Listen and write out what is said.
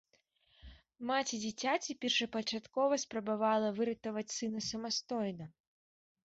Маці дзіцяці першапачаткова спрабавала выратаваць сына самастойна.